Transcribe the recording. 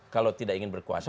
kalau tidak ingin berkuasa